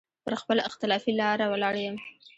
پر خپله اختلافي لاره ولاړ يم.